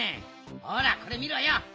ほらこれみろよ。